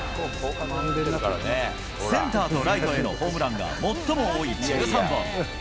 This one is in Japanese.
センターとライトへのホームランが最も多い１３本。